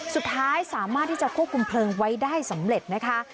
สุดท้ายสามารถที่จะควบคุมเพลิงไว้ได้สำเร็จนะคะ